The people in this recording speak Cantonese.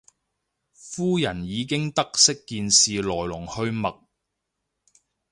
夫人已經得悉件事來龍去脈